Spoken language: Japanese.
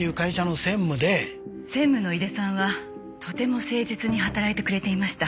専務の井出さんはとても誠実に働いてくれていました。